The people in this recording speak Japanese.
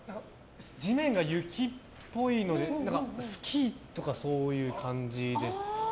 地面が雪っぽいのでスキーとかそういう感じですかね。